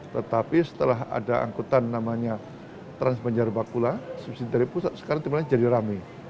tetapi setelah ada angkutan namanya transbanjarabakula sebesar dari pusat sekarang sebenarnya jadi rame